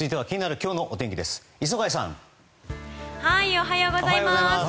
おはようございます。